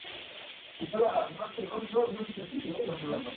Salas cubrió el retiro de las tropas mexicanas de Matamoros, Tamaulipas.